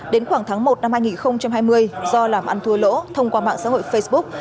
đến khoảng tháng một năm hai nghìn hai mươi do làm ăn thua lỗ thông qua mạng xã hội facebook